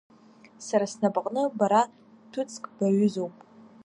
Сара снапаҟны бара ҭәыцк баҩызоуп.